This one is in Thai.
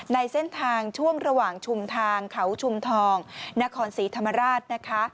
ในเส้นทางช่วงระหว่างชุมทางเขาชุมทองนครศรีธรรมราชนะคะ